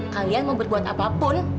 kalian mau berbuat apapun